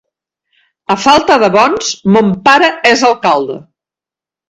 A falta de bons, mon pare és alcalde.